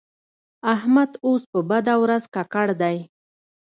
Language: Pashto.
احمد اوس په بده ورځ ککړ دی.